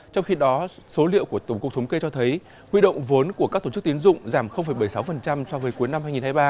trong khi đó số liệu của tổng cục thống kê cho thấy huy động vốn của các tổ chức tiến dụng giảm bảy mươi sáu so với cuối năm hai nghìn hai mươi ba